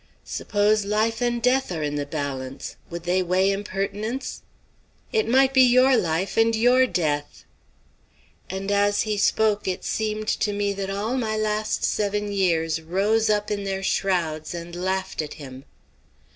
"Suppose life and death are in the balance, would they weigh impertinence?" "It might be your life and your death!" And as he spoke, it seemed to me that all my last seven years rose up in their shrouds and laughed at him.